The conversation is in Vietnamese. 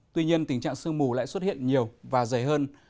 tuy nhiên tình trạng sương mù lại xuất hiện nhiều và dày hơn